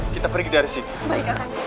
kita pergi dari sini